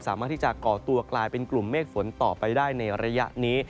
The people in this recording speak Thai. สามารถที่จะก่อตัวกลายเป็นกลุ่มเมฆฝนต่อไปได้ในระยะนี้